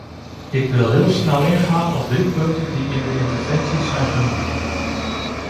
Ik wil heel snel ingaan op drie punten die in de interventies zijn genoemd.